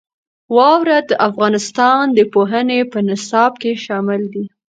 واوره د افغانستان د پوهنې په نصاب کې شامل دي.